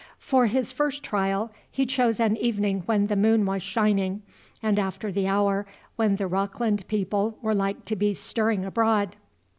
For his first trial, he chose an evening when the moon was shining, and after the hour when the Rockland people were like to be stirring abroad.